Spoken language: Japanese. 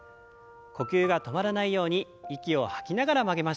呼吸が止まらないように息を吐きながら曲げましょう。